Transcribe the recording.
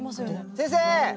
先生！